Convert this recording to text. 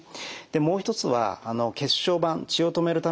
もう一つは血小板血を止めるためのですね